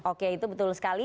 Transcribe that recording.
oke itu betul sekali